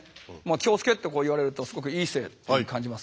気をつけと言われるとすごく良い姿勢に感じます。